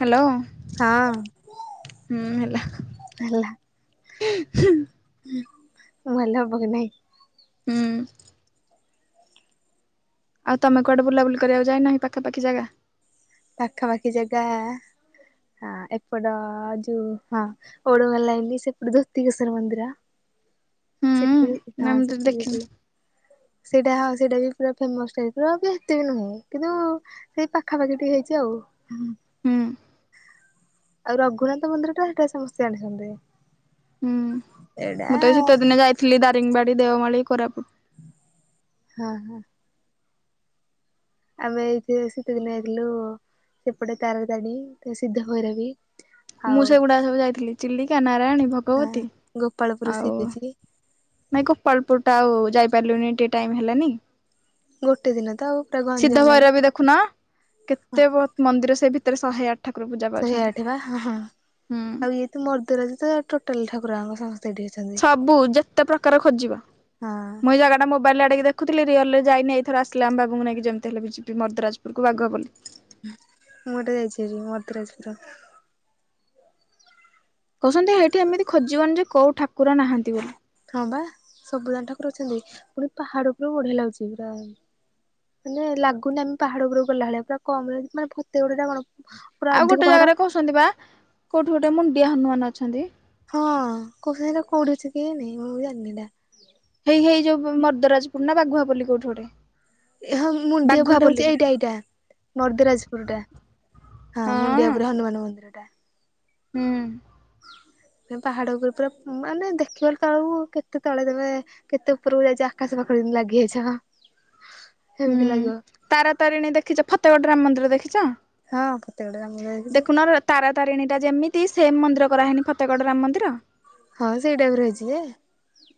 Hello. ହୁଁ ହେଲା। ହୁଁଁ ଭଲ ହବ କି ନାଇଁ? ହୁଁ। ଆଉ ତମେ କୁଆଡେ ବୁଲାବୁଲି କରିବାକୁ ଯାଇନ ପାଖାପାଖି ଜାଗା? ପାଖାପାଖି ଜାଗା। ହଁ ଏପଟ ଯୋଉ ହଁ ଓଡ଼ମା ଲାଇନ ସେପଟ ଦୁତିକେଶନ ମନ୍ଦିର ସେଠି ହଁ ସେଠିବି ସେଇଟା ହଉ ସେଇଟା ବି ପୁରା ଫେମସ୍ ଟାଇପ ର ଏତେ ବି ନୁହେଁ କିନ୍ତୁ ସେଇ ପାଖାପାଖି ଟିକେ ହେଇଛି ଆଉ ହୁଁ। ଆଉ ରଘୁନାଥ ମନ୍ଦିର ଟା ସେଇଟା ସମସ୍ତେ ଜାଣିଛନ୍ତି। ମୁଁ ତ ଶୀତ ଦିନ ଯାଇଥିଲି ଦାରିଙ୍ଗବାଡ଼ି ଦେଓମାଳିୀ କୋରାପୁଟ ହଁ ହଁ। ଆମେ ଏଇଥି ଶୀତ ଦିନରେ ଯାଇଥିଲୁ ସେପଟେ ତାରାଦଣୀ ତ ସିଦ୍ଧ ଶିରିଡ଼ି। ମୁଁ ସେଗୁଡା ସବୁ ଯାଇଥିଲି ଚିଲିକା ନାରାୟଣୀ ଭଗବତୀ ଆଉ ନାଇଁ କୋପାଳପୁର ଟା ଆଉ ଯାଇପାରିଲୁନି ଟିକେ ଟାଇମ ହେଲାନି। ଗୋଟେ ଦିନ ତ ଆଉ ପ୍ରଭୁ ଆଜ ଲାଗେ ରଖ କେତେ ମନ୍ଦିର ସେ ଭିତରେ ଶହେ ଆଠ ଶହେ ଆଠିବା ହଁ ହଁ ଆଉ ଇଏ ତ ମର୍ଦିର ଅଛି ତ ଟୋଟାଲ ଠାକୁରାଙ୍କ ସମସ୍ତେ ଏଠି ଅଛି। ସବୁ ଯେତେ ପ୍ରକାର ଖୋଜିବା ମୁଇ ଜାଗା ମୋବାଇଲ ରେ ଆଡେ ଦେଖଥିଲି ରିଲ ରେ ଯାଇ ଏଇଥ ଆସିଲ ଆ ବାବଙ୍କୁ ନେଇକି ଯେମିତି ହେ ବି ଯିବି ମଦାଜପୁକୁ ବାଘ ବୋଲି। ମୁଁ ଗଟେ ଯାଇଛି ମଧରେଛି ତ କହୁଛନ୍ତି ଏଇଠି ଏମିତି ଖୋଜିବନି ଯେ କୋଉ ଠାକୁର ନାହାନ୍ତି ବୋଲି। ହଁ ବା ସବୁଦାନ ଠାକୁର ଅଛନ୍ତି ପୁଣି ପାହାଡ ଉପରେ ବଢିଆ ଲାଗୁଛି ପୁରା। ମାନେ ଲାଗୁନି ଆମେ ପାହାଡ ଉପରକୁ ଗଲା ଭଳିଆ ପୁରା କମ ମାନେ ଫେ ଗୁଡି କଣ ଆଉ ଗୋଟେ ଜାଗାରେ କହୁଛନ୍ତି ବା କୋଉଠି ଗୋଟେ ମୁଣ୍ଡିଆ ହନୁମାନ ଅଛନ୍ତି। ହଁ କୋଉ ସାଙ୍ଗତ କୋଉଠିଛି କି ନାଇଁ ମୁଁ ଜାଣିନିଟା। ହେଇ ହେଇ ଯୋଉ ମର୍ଦରାଜପୁର ନା ବାଘୁଆପଲ୍ କୋଉଠିଆଡେ? ଏ ହଁ ମୁଁ ଦିଅପ ଟା ହଉଛି ଏଇଟା ଏଇଟା ନର୍ଦିରାଜପୁର ଟା। ହଁ ମୁଣ୍ଡିଆ ଉପୁର ହନୁମାନ ମନ୍ଦିରଟା। ହୁଁ। ପାହାଡ ଉପରେ ପୁରା ମାନେ ଦେଖିବାର ତଳକୁ କେତେ ତଳେ ଦେବେ କେତେ ଉପରକୁ ଯାଇଛି, ଆକାଶ ପାଖକୁ ଲାଗିଯାଇଛି [inaudible] ସେମିତି ଲାଗିବ। ତାରାତାରିଣୀ ଦେଖିଛ? ଫତେଗଡ଼ ରାମ ମନ୍ଦିର ଦେଖିଛ? ହଁ, ଫତେଗଡ଼ ରାମ ମନ୍ଦିର ଦେଖିଛୁ। ତାରାତାରିଣି ଟା ଯେମିତି, ସେମ ମନ୍ଦିର ପରା [unintelligible] ଫତେଗଡ଼ ରାମ ମନ୍ଦିର,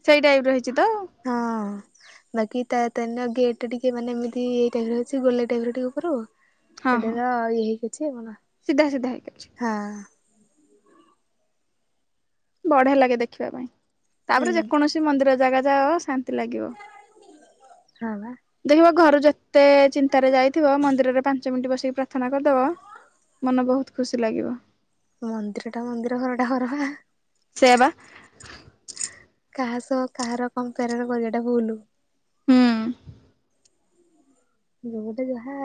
ସେଇ ଟାଇପର ହେଇଛି ତ। [unintelligible] ବାକି ତା ଗେଟ୍ ଟ ଟିକେ ମାନେ ଏମିତି ଏଇ ଟାଇ ଅଛି ଗୋଲା ଟାଇପ ଟିକେ ଉପରୁ। [unintelligible] ବଢିଆ ଲାଗେ ଦେଖିବା ପାଇଁ, ତାପରେ ଯେକୌଣସି ମନ୍ଦିର ଜାଗା ଯା ଲାଗିବ, ଦେଖିବ ଘରୁ ଯେତେ ଚି ତାରେ ଯାଇଥିବ, ମନ୍ଦିରରେ ପାଞ୍ଚ ମିନିଟ୍ ବସିକି ପ୍ରାର୍ଥନା କରିଦେବ, ମନ ବହୁତ ଖୁସି ଲାଗିବ। ମନ୍ଦିର ଟା ମନ୍ଦିର, ଘର ଟା ଘର। ସେଏବା। କାହା ସହ କାହାର କମ୍ପେୟାର କରିବାଟା ଭୁଲୁ। ହୁଁ ଉଁ। ଯିବୁତ ଯାହା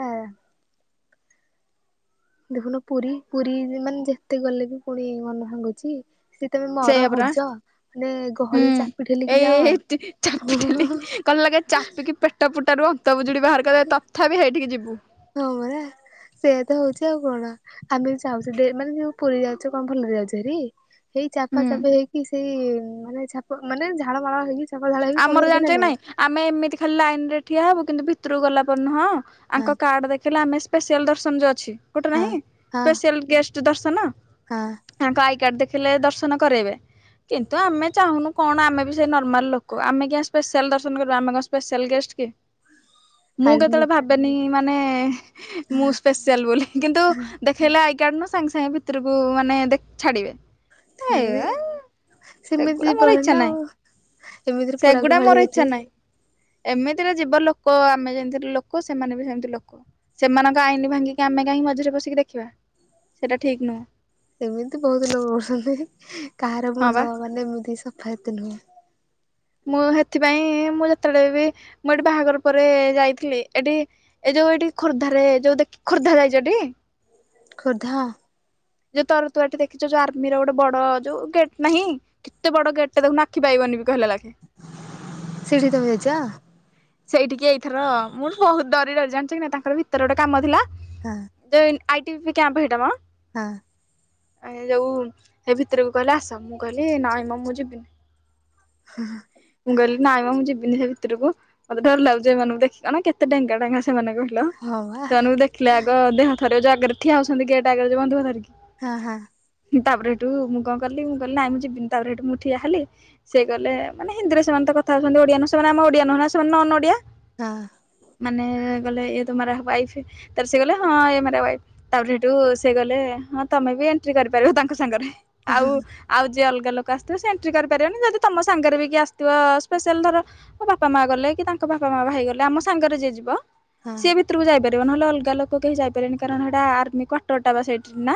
ଦେଖୁନ ପୁରୀ, ପୁରୀ ମାନେ ଯେତେ ଗଲେ ବି ପୁଣି ମନ ଭାଙ୍ଗୁଛି? ସେ ତମେ ମର ହଜ, ମାନେ ଗହଳିରେ ଚାପି ଠେଲିକି ଯାଅ ମତେ ଲାଗେ ଚାପିକି ପେଟ ପୁଟାରୁ ଅନ୍ତ ବୁଜୁଡ଼ି ବାହାର କରିଦେବେ, ତଥାପି ହେଇଠିକି ଯିବୁ। ହଁ ପରା। ସେ ତ ହଉଛି ଆଉ କଣ? ଆମେ ଯାଉଛେ ମାନେ ଯୋଉ ପୁରୀ ଯାଉଛେ କଣ ଭଲରେ ଯାଉଛ ହେରି। ସେଇ ଚାପା ଚାପା ହେଇକି, ସେଇ ମାନେ ଚାପା ମାନେ ଝାଳ ନାଳ ହେଇକି ଆମର ଜାଣିଛନା ନାଇଁ, ଆମେ ଏମିତି ଖାଲି ଲାଇନ ରେ ଠିଆ ହବୁ କିନ୍ତୁ ଭିତରକୁ ଗଲାପାରେ ନୁହଁ ଆଙ୍କ କାର୍ଡ ଦେଖିଲେ ଆମେ ସ୍ପେଶିଆଲ ଦର୍ଶନ ଯଉ ଅଛି, ଗୋଟେ ନାହିଁ, ସ୍ପେଶିଆଲ ଗେଷ୍ଟ କୁ ଦର୍ଶନ? ହଁ ଅଁ। ତାଙ୍କ ଆଇ କାର୍ଡ ଦେଖିଲେ ଦର୍ଶନ କରେଇବେ କିନ୍ତୁ ଆମେ ଚାହୁଁନୁ କଣ ଆମେ ବି ସେଇ ନର୍ମାଲ ଲୋକ ଆମେ କିଆଁ ସ୍ପେଶାଲ ଦର୍ଶନ କରିବୁ, ଆମେ କଣ ସ୍ପେଶାଲ ଗେଷ୍ଟ କି? ମୁଁ କେତେବେଳେ ଭାବି ମାନେ ମୁଁ ସ୍ପେସିଆଲ ବୋଲି କିନ୍ତୁ ଦେଖେଇ ସାଙ୍ଗେ ସାଙ୍ଗେ ଭିତରକୁ ମାନେ ଛାଡିବେ। ହେ ହେ, ସେଗୁଡା ମୋର ଇଛା ନାହିଁ। ସେଗୁଡ଼ା ମୋର ଇଛା ନାଇଁ। ଏମିତିରେ ଯିବ ଲୋକ, ଆମେ ଯେମିତିରେ ଲୋକ, ସେମାନେ ବି ସେମିତି ଲୋକ। ସେମାନଙ୍କ ଆଇନ ଭାଙ୍ଗିକି ଆମେ କାହିଁଁ ମଝିରେ ପସିକି ଦେଖିବା ସେଇଟା ଠିକ ନୁହଁ। ଏମିତି ବହୁତ ଲୋକ ଅଛନ୍ତି, କାହାର ମନ ମାନେ ଏମିତି ସଫା ଏତେ ନୁହେଁ। ମୁଁ ସେଥିପାଇଁ ମୁଁ ଯେତେବେଳେ ବି ମୁଁ ଏଠି ବାହାଘର ପରେ ଯାଇଥିଲି, ଏଠି ଏଇ ଯୋଉ ଏଠି ଖୋର୍ଦ୍ଧାରେ ଯୋଉ ଦେଖି ଖୋର୍ଦ୍ଧା ଯାଇଛ ଟି? ଖୋର୍ଦ୍ଧା ଯୋଉ ତରତୁଆଟି ଦେଖିଛ ଯୋଉ ଆର୍ମିର ଗୋଟେ ବଡ ଯୋଉ ଗେଟ୍ ନାହିଁ କେତେ ବଡ ଗେଟଟା ଦେଖୁନ, ଆଖି ପାଇବନି କହିଲା ଲାଖେ। ସେଇଠି ତମେ ଯାଇଛ? ସେଇଠିକି ଏଇଥର ମୁଁ ବହୁତ ଡରିଡରି ଜାଣିଛି କି ନା ତାଙ୍କର ଭିତରେ ଗୋଟେ କାମ ଥିଲା ହଁ ଅଁ ଆଇଟିଭିି କ୍ୟାମ୍ପ ହେଇଟା ମ ହଁ ଅଁ ଆ ଯଉ ସେ ଭିତରକୁ କହିଲେ ଆସ, ମୁଁ କହିଲି ନାଇଁ ମ ମୁଁ ଯିବିନି। [inaudible] ହଁ ମୁଁ କହିଲି ନାଇଁ ମୋ ମୁଁ ଯିବିନି ସେ ଭିତରକୁ, ମତେ ଡର ଲାଗୁଛି ଏମାନଙ୍କୁ ଦେଖିକି। ଅନା କେତେ ଡେଙ୍ଗା ଡେଙ୍ଗା ସେମାନଙ୍କୁ। ସେମାନଙ୍କୁ ଦେଖିଲେ ଆଗ ଦେହହାତ ଥରୁଛି ଆଗରେ ଠିଆ ହଉଛନ୍ତି ଗେଟ ଆଗରେ ଯୋଉ ବନ୍ଧୁକ ଧରିକି। ହାଁ ହାଁ କି ତାପରେଠୁ ମୁଁ କଣ କରଲି, ମୁଁ କହିଲି ନାଇ ମୁଁ ଯିବିନି ତାପରେ ଏଠୁ ମୁ ଠିଆ ହେଲି। ସିଏ କରଲେ ମାନେ ହିନ୍ଦୀରେ ସେମାନେ ତ କଥା ହଉଛନ୍ତି ଓଡିଆ ନୁହଁ ସେମାନେ ଆମ ଓଡିଆ ନୁହେଁ ନା ସେମାନେ ନନ୍ ଓଡିଆ। ହଁ ମାନେ ଗଲେ ୟେ ତୁମ୍ହାରା ୱାଇଫ ହେ? ତାର ସେ ଗଲା ହଁ ଇଏ ମେରା ୱାଇଫ ତାପରେ ଏଇଠୁ ସେ ଗଲେ ହଁ ତମେ ବି ଏଣ୍ଟ୍ରି କରିପାରିବ ତାଙ୍କ ସାଙ୍ଗରେ ଆଉ ଆଉ ଯିଏ ଅଲଗା ଲୋକ ଆସିଥିବ ସେ ଏଣ୍ଟ୍ରି କରିପାରିବନି ଯଦି ତମ ସାଙ୍ଗରେ ବି କି ଆସିଥିବ ସ୍ପେସିଆଲ ଧର ମୋ ବାପା ମା ଗଲେ କି ତାଙ୍କ ବାପା ମା ଭାଇ ଗଲେ ଆମ ସାଙ୍ଗରେ ଯିଏ ଯିବ ସିଏ ଭିତରକୁ ଯାଇପାରି ଯିବେ ନହେଲେ ଅଲଗା ଲୋକ କେହି ଯାଇପାରବନି କାରଣ ସେଇଟା ଆର୍ମି କ୍ୱାର୍ଟର ଟା ବା ସେଇଠି ନା।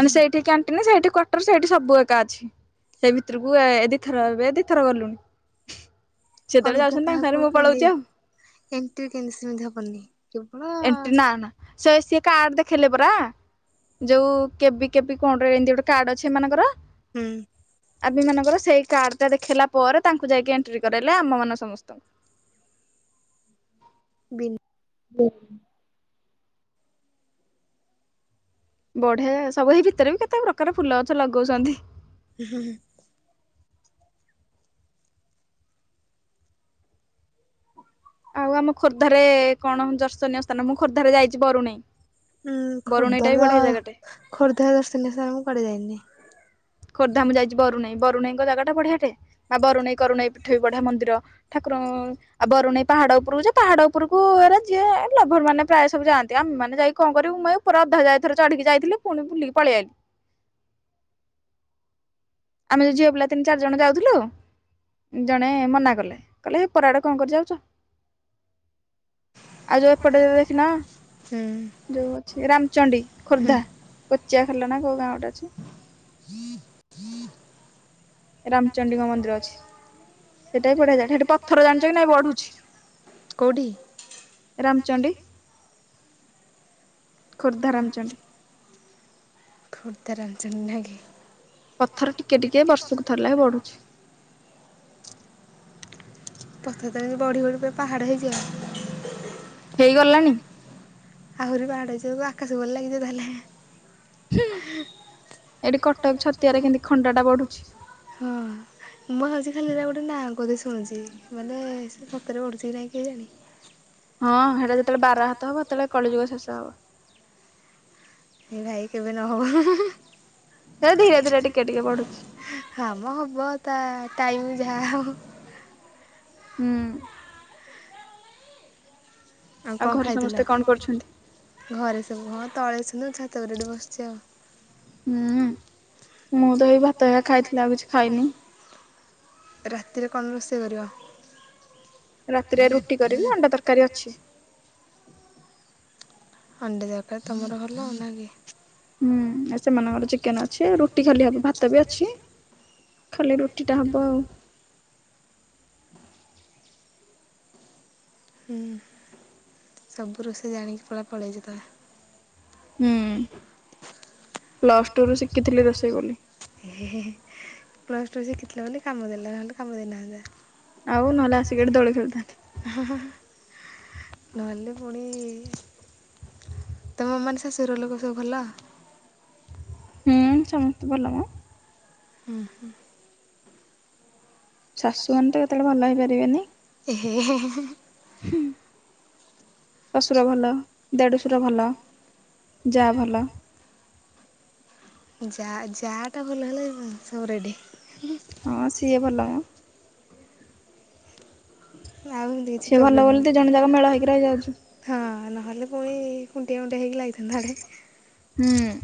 ମାନେ ସେଇଠି କେନ ନା ସେଇଠି କ୍ୟାର୍ଟର ସେଇଠି ସବୁ ଏକା ଅଛି ସେଇ ଭିତରକୁ ଏ ଦିଥର ଏ ଦିଥର ଗଲୁଣି। ସେତବେଳେ ଯାଉଛ କାହାକୁ କେମିତି ଏଣ୍ଟ୍ରି କେମିତି ସେମିତି ହବନି, କେବଳ ସିଏ ସେ ସିଏ କାର୍ଡ ଦେଖେଇଲେ ପରା। ଯୋଉ କେବି କେବି କଣରେ ଏମତି ଗୋଟେ କାର୍ଡ ଅଛି ଏମାନଙ୍କର, ହୁଁ ଆର୍ମି ମାନଙ୍କର ସେଇ କାର୍ଡ ଟା ଦେଖେଇଲା ପରେ ତାଙ୍କୁ ଯାଇକି ଏଣ୍ଟ୍ରି କରାଇଲେ ଆମ ମାନ ସମସ୍ତେ। ଭିନ ବିନହ ବଢ଼ିଆ ସବୁ ଏଇ ଭିତରେ ବି କେତେ ପ୍ରକାର ଫୁଲ ଗଛ ଲଗଉଛନ୍ତି। ହୁଁ ହୁଁ ଆଉ ଆମ ଖୋର୍ଦ୍ଧାରେ କଣ ଦର୍ଶନୀୟ ସ୍ଥାନ, ମୁଁ ଖୋର୍ଦ୍ଧାରେ ଯାଇଛି ବରୁଣାଇ। ହୁଁ ଖୋର୍ଦ୍ଧର ଖୋର୍ଦ୍ଧା ଦର୍ଶନୀୟ ସ୍ଥାନ ମୁଁ କୁଆଡେ ଯାଇନି। ଖୋର୍ଦ୍ଧା ମୁଁ ଯାଇଛି ବରୁନାଇଁ ବରୁନାଇଁଙ୍କ ଜାଗା ଟା ବଢିଆ ଟେ, ଵା ଗରୁଣାଇ କରୁଣାଇ ପୀଠ ବି ବଢିଆ ମନ୍ଦିର। ଠାକୁର ଆଉ ବରୁଣାଇ ପାହାଡ ଉପରକୁ ପାହାଡ ଉପରକୁ ଆରେ ଯିଏ ଲଭର ମାନେ ସବୁ ଯାଆନ୍ତି, ଆମେ ମାନେ ଯାଇକି କଣ କରିବୁ? ମୁ ପୁରା ଅଧା ଯାଇ ଏଥର ଚଢିକି ଯାଇଥିଲି ପୁଣି ଭୁଲି ପଳେଇ ଆଇଲି। ଆମେ ଯୋଉ ଝିଅ ପିଲା ତିନି ଚାରି ଜଣ ଯାଉଥିଲୁ? ଜଣେ ମନା କଲେ କହିଲେ ସେ ଉପର ଆଡେ କ'ଣ କରି ଯାଉଛ? ଆଉ ଯୋଉ ପଟେଇଲେ ସିନା ହୁଁ ଯୋଉ ଅଛି ରାମଚଣ୍ଡୀ ଖୋର୍ଦ୍ଧା, କଚିଆ ଖେଲ ନା କୋଉ ଗାଁ ଗୋଟେ ଅଛି। ରାମଚଣ୍ଡୀଙ୍କ ମନ୍ଦିର ଅଛି, ସେଟା ବି ବଢିଆ ଜାଗା ସେଠି ପଥର ଜାଣିଛ କି ନାଇଁ ବଢୁଛି। କୋଉଠି? ରାମଚଣ୍ଡୀ। ଖୋର୍ଦ୍ଧା, ରାମଚଣ୍ଡୀ। ଖୋର୍ଦ୍ଧା, ରାମଚଣ୍ଡୀ ନାଇକି। ପଥର ଟିକେ ଟିକେ ବର୍ଷକୁ ଥରେ ଲେଖା ବଢୁଛି, ପଥରେ ତ ବଢି ବଢି ପୁରା ପାହାଡ ହେଇଯିବ। ହେଇଗଲାଣି। ଆହୁରି ପାହାଡ଼ ହେଇଯିବ ଆକାଶ କୁ ଲାଗିଯିବ ତାହେଲେ। ହଁ ଏଠି କଟକ ଛତିଆରେ କେମତି ଖଣ୍ଡା ଟା ବଢୁଛି, ହଁ ମୁଁ ଭାବୁଛି ଖାଲି ଗୋଟେ ନାଁ ଗଟେ ଶୁଣୁଛି ମାନେ ସତରେ ବଡୁଛି କି ନାଇଁ କେଜାଣି? ହଁ ହେଟା ଯେତେବେଳେ ବାର ହାତ ହବ ସେତେବେଳେ କଳି ଯୁଗ ଶେଷ ହବ। ଏଇ ଭାଇ କେବେ ନହଉ? ହେ ଧୀରେ ଧୀରେ ଟିକେ ଟିକେ ବଢୁଛି। ହାଁ ଵା ହବ ତା ଟାଇମ ଯାହା ହଉ। ହୁଁ। ଆଉ କଣ ଖାଇଥିଲ ଘରେ ସବୁ ହଁ ତଳେ ଛାତ ଉପରେ ଟିକେ ବସିଛି ବସିଛି ଆଉ। ହୁଁ ମୁଁ ତ ଏଇ ଭାତ ହେରା ଖାଇଥିଲି ଆଉ କିଛି ଖାଇନି। ରାତିରେ କଣ ରୋଷେଇ କରିବ? ରାତିରେ ରୁଟି କରିବି ଅଣ୍ଡା ତରକାରୀ ଅଛି। ଅଣ୍ଡେ ଦରକାର ତମର ଭଲ ନ କି। ହୁଁ ଆ ସେମାନଙ୍କର ଚିକେନ ଆସେ। ଛ ରୁଟି ଖାଲି ହବ ଭାତ ବି ଅଛି ଖାଲି ରୁଟିଟା ହବ ଆଉ। ହୁଁ ସବୁ ରୋଷେଇ ଜାଣିକି ପରା ପଳେଇଛି ତ। ହୁଁ ପ୍ଲସ୍ ଟୁ ରୁ ଶିଖିଥିଲି ରୋଷେଇ ବୋଲି। ହେ ହେ ହେ ହେ ପ୍ଲସ ଟୁ ସେ ଶିଖିଥିଲି ବୋଲି କାମ ଦେଲ ନହେଲେ କାମ ଦେଇନଥାନ୍ତା। ଆଉ ନହେଲେ ଆସିକି ଏଠି ଦୋଳି ଖେଳିଥାନ୍ତି। ନହେଲେ ପୁଣି ତୁମ ମାନେ ଶାଶୁ ଘର ଲୋକ ସବୁ ଭଲ? ହୁଁ ସମସ୍ତେ ଭଲ ମ। ହୁଁ ହୁଁ। ଶାଶୁମାନେ ତ କେତେବେଳେ ଭଲ ହେଇପାରିବେନି। ହେ ହେ ହେ। ହୁଁ। ଶ୍ୱଶୁର ଭଲ ଦେଢ଼ ସୁର ଭଲ ଯା ଭଲ। ଯା ଯା ଟା ଭଲ ହେଲା ସବୁ ରେଡି। ହଁ ସିଏ ଭଲ। ଆଉ ସେ ଭଲ ବୋଲି ଦି ଜଣ ଯାକ ମେଳ ହେଇକି ରହି ହେଇଯାଉଛି। ହଁ ନହେଲେ ପୁଣି ଖୁଣ୍ଟିଆ ଫୁଣ୍ଡିଆ ହେଇକି ଲାଗଥାନ୍ତା ଆଡେ। ହୁଁ।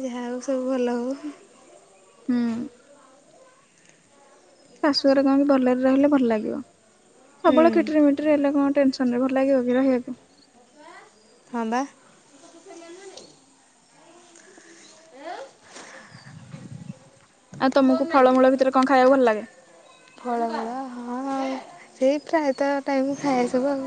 ଯାହା ହଉ ସବୁ ଭଲ ହଉ। ହୁଁ। ଶାଶୁଘରେ କଣକ ଭଲରେ ରହିଲେ ଭଲ ଲାଗିବ ସବବେଳେ ଖଟରେ ମି ହେଲେ କଣ ଟେନସନ ରେ ଭଲ ଲାଗିବ କି ରହିବାକୁ। ହଁ ବା। ଆଉ ତମକୁ ଫଳମୂଳ ଭିତରେ କଣ ଖାଇବାକୁ ଭଲ ଲାଗେ? [unintelligible] ସେଇ ପ୍ରାୟତଃ ଟାଇମ ଖାଇଇ ସବୁ ଆଉ।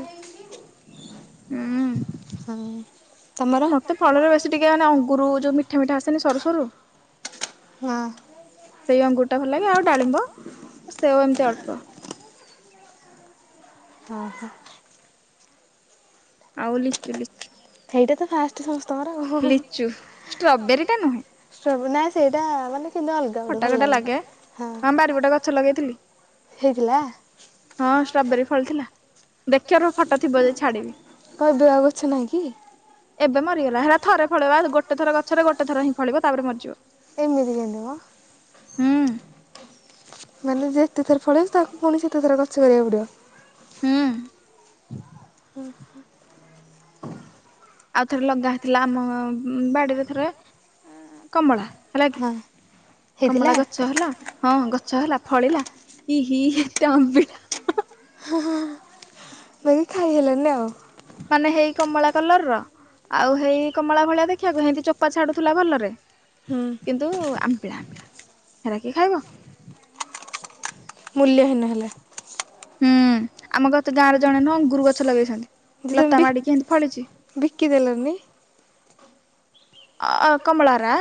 ହୁଁ। ହଁ। ମତେ ଫଳରେ ବେଶୀ ଟିକେ ମାନେ ଅଙ୍ଗୁର ଯୋଉ ମିଠା ମିଠା ଆସେନି ସରୁ ସରୁ ହଁ। ସେଇ ଅଙ୍ଗୁରଟା ଭଲ ଲାଗେ ଆଉ ଡାଳିମ୍ବ ସେଓଉ ଏମିତି ଅଳ୍ପ। ଓ ହୋ। ଆଉ ଲିଚୁ ଲିଚୁ। ସେଇଟା ତ ଫାଷ୍ଟ ସମସ୍ତଙ୍କରଉ। [unintelligible] ନାଇଁ ସେଇଟା ମାନେ କିନ୍ତୁ ଅଲଗା। ଖଟା ଖଟା ଲାଗେ କ ବାରିପଟ ଗଛ ଲଗେଇଥିଲି। ହଁ ଷ୍ଟ୍ରବେରୀ ଫଲ ଥିଲା ଦେଖିବ ର ଫଟୋ ଥିବ ଯେ ଛାଡିବି। କ ଦୂର କରୁଛ ନାଇଁ କି? ଏବେ ମରିଗଲା ହେଲା ଥରେ ଫଳେଇ ଗୋଟେଥର ଗଛରେୋଟେ ଥର ହିଁ ଫଳିବ ତାପରେ ମରିଯିବ। ଏଇ ମିତି ଜ ନ ହୁଁ। ମାନେ ଯେତେ ଥର ଫଳେଇିବ ତାକୁ ପୁଣି ସେତେ ଥର କଷ କରିବାକୁ ପଡ଼ିବ। ହୁଁ। ଓହୋ ଆଉ ଥରେ ଲଗା ହେଇଥିଲା ଆମ ବାଡିରେ ଥରେ କମଳା ହେଲା କି। କମଳା ଗଛ ହେଲା ହଁ ଗଛ ହେଲା ଫଳିଲା। ଇ ହି ଏତେ ଆମ୍ୱିଳା। ହଁ ହଁ ଖାଇ ହେଲାନି ଆଉ। ମାନେ ହେଇ କମଳା କଲର ର। ଆଉ ହେଇ କମଳା ଭଳିଆ ଦେଖିବାକୁ, ହେନ୍ତି ଚୋପା ଛାଡୁଥିଲା ଭଲରେ କିନ୍ତୁ ଆମ୍ୱିଳା ଆମ୍ୱିଳା। ହେରା କିଏ ଖାଇବ। ମୂଲ୍ୟହୀନ ହେଲା। ହୁଁ। ଆମ ଗତ ଗାଁରେ ଜଣେ ନୁହଁ ଅଙ୍ଗୁରୁ ଗଛ ଲଗେଇଛନ୍ତି। ଲତା ମାଡି କି ହେନ୍ତି ଫଳିଚି। ଅ କମଳାରା।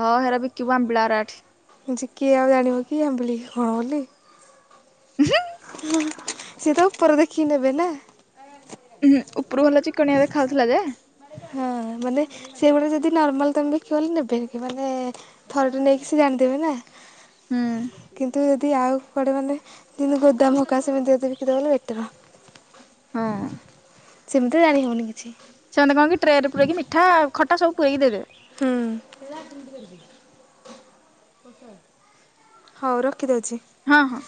ହଁ ହେରା ବିକିବୁ ଆମ୍ୱିଳା ରା ଏଠି। ଯିଏ କିଏ ଆଉ ଜାଣିବ କି ଆମ୍ୱିଳି। [unintelligible] ଉଁ ହୁଁ ସିଏ ତ ଉପର ଦେଖିକି ନେବେ ନା। ଉଁ ହୁଁ, ଉପୁରୁ ଭଲ ଚିକଣିଆ ଦେଖାଯାଉଥିଲା ଯେ। ମାନେ ସେଭଳି ଯଦି ନର୍ମାଲ ତମେ ବିକିବ ବୋଲି ନେବେନି କେହି। ମାନେ ଥରଟେ ନେଇକି ସେ ଜାଣିଦେବେ ନା। କିନ୍ତୁ ଯଦି ଆଉ କୁଆଡେ ଗଲେ [unintelligible] ବେଟର। ହଁ। ସେମତି ତ ଜାଣିହବନି କିଛି। ସେମାନେେ କଣ କି ଟ୍ରେ ରେ ପୁରେଇକି ମିଠା ଖଟା ସବୁ ପୁରେଇକି ଦେଇଦେବେ। ହୁଁ। ହଉ ରଖିଦଉଚି। ହଁ ହଁ।